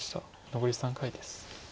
残り３回です。